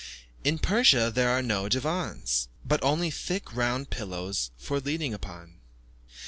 In Persia, there are no divans, but only thick round pillows for leaning upon.